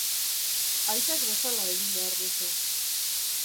Aitak bezala egin behar duzu.